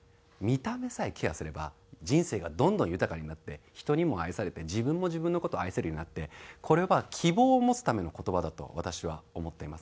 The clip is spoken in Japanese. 見た目さえケアすれば人生がどんどん豊かになって人にも愛されて自分も自分の事愛せるようになってこれは希望を持つための言葉だと私は思っています。